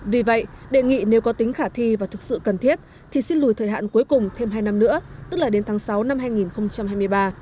vì vậy đề nghị nếu có tính khả thi và thực sự cần thiết thì xin lùi thời hạn cuối cùng thêm hai năm nữa tức là đến tháng sáu năm hai nghìn hai mươi ba